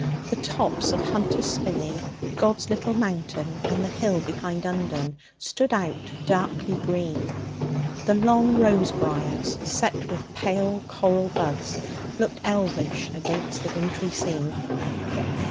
The tops of Hunter's Spinney, God's Little Mountain, and the hill behind Undern stood out darkly green. The long rose briars, set with pale coral buds, looked elvish against the wintry scene.